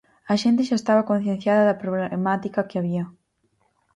A xente xa estaba concienciada da problemática que había.